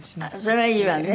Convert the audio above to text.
それはいいわね。